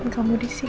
aku tak mau iain